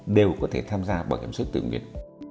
đều có thể tham gia bảo hiểm suất tự nguyện